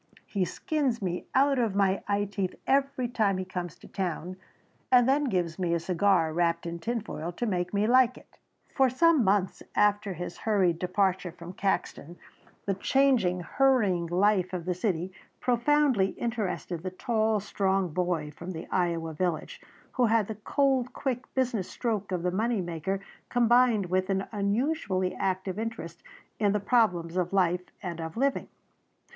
"He skins me out of my eyeteeth every time he comes to town and then gives me a cigar wrapped in tinfoil to make me like it." For some months after his hurried departure from Caxton the changing, hurrying life of the city profoundly interested the tall strong boy from the Iowa village, who had the cold, quick business stroke of the money maker combined with an unusually active interest in the problems of life and of living.